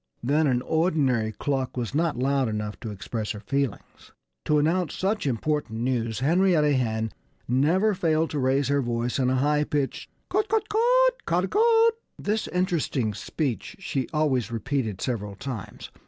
Then an ordinary cluck was not loud enough to express her feelings. To announce such important news Henrietta Hen never failed to raise her voice in a high pitched "Cut cut cut, ca dah cut!" This interesting speech she always repeated several times.